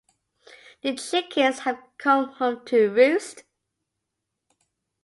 The chickens have come home to roost.